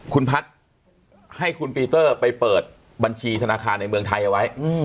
คุณพัฒน์ให้คุณปีเตอร์ไปเปิดบัญชีธนาคารในเมืองไทยเอาไว้